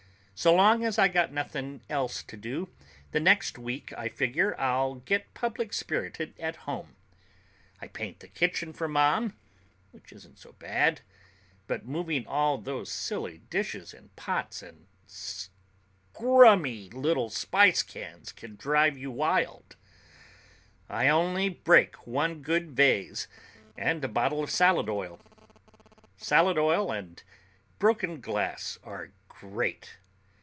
So long as I got nothing else to do, the next week I figure I'll get public spirited at home: I paint the kitchen for Mom, which isn't so bad, but moving all those silly dishes and pots and scrumy little spice cans can drive you wild. I only break one good vase and a bottle of salad oil. Salad oil and broken glass are great.